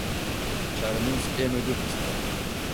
چارەنووس ئێمەی دوورخستەوە